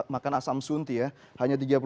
makan asam sunti ya hanya tiga puluh tujuh